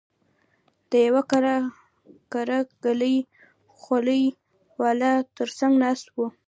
د يوه قره قلي خولۍ والا تر څنگ ناست و.